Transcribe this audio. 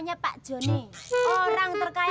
iya perutnya aja kayak orang melenting